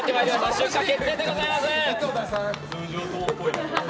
出荷決定でございます。